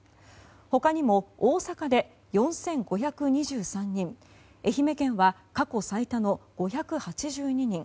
他にも大阪で４５２３人愛媛県は過去最多の５８２人